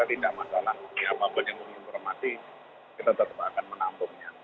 tidak masalah punya apa apanya informasi kita tetap akan menampungnya